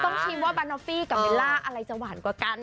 ชิมว่าบานอฟฟี่กับเบลล่าอะไรจะหวานกว่ากัน